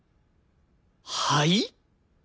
はい？